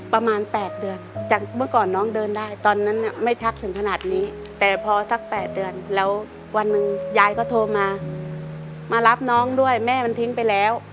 ประมาณ๘เดือนแต่เมื่อก่อนน้องเดินได้ตอนนั้นไม่ชัดถึงทนัดนี้